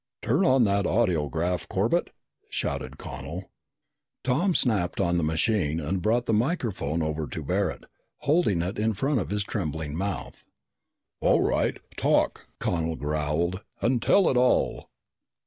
"Turn on that audiograph, Corbett!" shouted Connel. Tom snapped on the machine and brought the microphone over to Barret, holding it in front of his trembling mouth. "All right, talk!" Connel growled. "And tell it all."